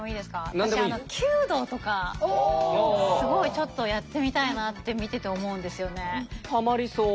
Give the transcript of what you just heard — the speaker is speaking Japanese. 私すごいちょっとやってみたいなって見てて思うんですよね。